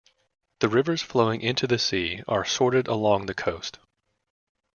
The rivers flowing into the sea are sorted along the coast.